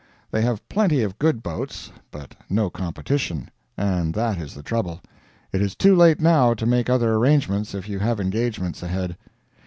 They have plenty of good boats, but no competition and that is the trouble. It is too late now to make other arrangements if you have engagements ahead.